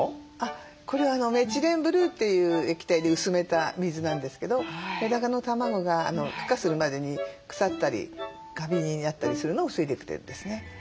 これメチレンブルーという液体で薄めた水なんですけどメダカの卵がふ化するまでに腐ったりカビになったりするのを防いでくれるんですね。